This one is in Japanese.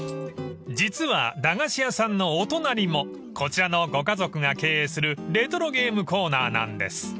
［実は駄菓子屋さんのお隣もこちらのご家族が経営するレトロゲームコーナーなんです］